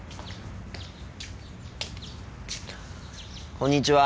こんにちは。